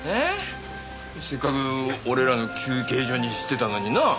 せっかく俺らの休憩所にしてたのにな？